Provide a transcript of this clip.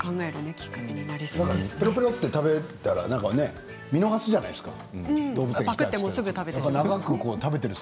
ぺろぺろと食べたら見逃すじゃないですか。